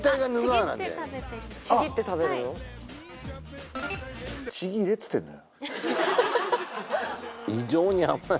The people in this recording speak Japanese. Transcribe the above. ちぎって食べるの？